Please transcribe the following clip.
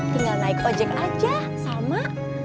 tinggal naik ojek aja sama